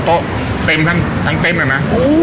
ยืนรอกันทั้งหน้านะ